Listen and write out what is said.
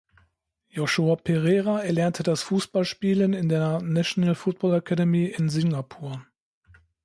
Joshua Pereira erlernte das Fußballspielen in der National Football Academy in Singapur.